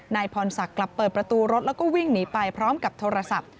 นายพรศักดิ์กลับเปิดประตูรถแล้วก็วิ่งหนีไปพร้อมกับโทรศัพท์